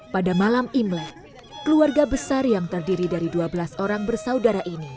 pada malam imlek keluarga besar yang terdiri dari dua belas orang bersaudara ini